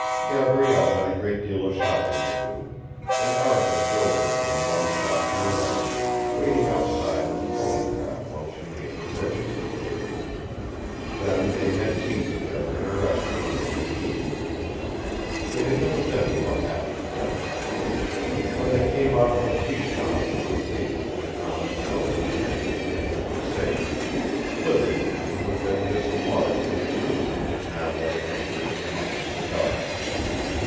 Gabrielle had a great deal of shopping to do, and Arthur drove her from one shop to another, waiting outside in the pony trap while she made her purchases. Then they had tea together in a restaurant on the quay. They had never been more happy together. When they came out of the tea shop on to the pavement they found themselves entangled in a group of sailors, liberty men who had been disembarked from the cruiser that now lay anchored in the mouth of the Dart.